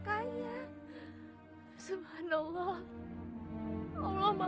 kamu masih jadi abang